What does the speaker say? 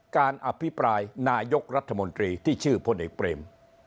การอภิปรายนายกรัฐมนตรีที่ชื่อพลเอกเปรม